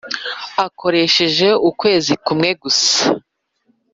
akoresheje ukwezi kumwe gusa